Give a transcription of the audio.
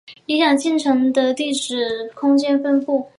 理解进程的地址空间分布